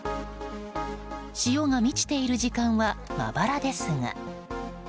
潮が満ちている時間はまばらですが。